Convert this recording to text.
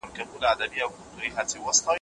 ده د علم دروازې خلاصې وساتلې.